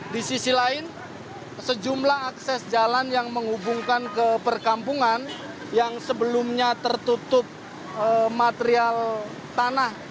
di sisi lain sejumlah akses jalan yang menghubungkan ke perkampungan yang sebelumnya tertutup material tanah